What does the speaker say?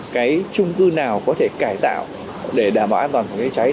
cái chung cư nào có thể cải tạo để đảm bảo an toàn phòng chữa cháy